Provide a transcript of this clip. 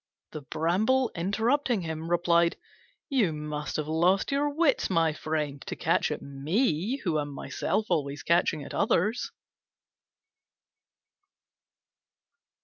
The Bramble, interrupting him, replied, "You must have lost your wits, my friend, to catch at me, who am myself always catching at others."